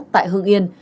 tại hương yên